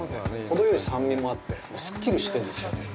ほどよい酸味もあって、スッキリしてるんですよね。